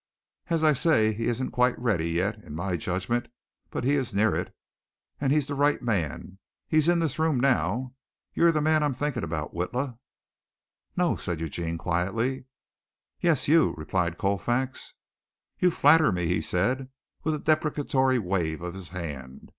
"As I say, he isn't quite ready yet, in my judgment, but he is near it, and he's the right man! He's in this room now. You're the man I'm thinking about, Witla." "No," said Eugene quietly. "Yes; you," replied Colfax. "You flatter me," he said, with a deprecatory wave of his hand.